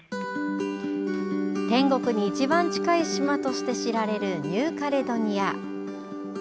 天国に一番近い島として知られるニューカレドニア。